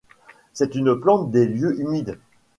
C'est une plante des lieux humides.